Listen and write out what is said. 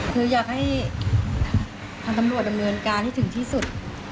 คืออยากให้ทางตำรวจดำเนินการให้ถึงที่สุด